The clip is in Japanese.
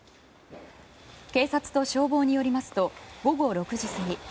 警察と消防によりますと午後６時過ぎ